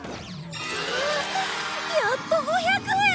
やっと５００円！